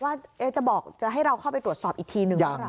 ว่าจะบอกจะให้เราเข้าไปตรวจสอบอีกทีนึงไหม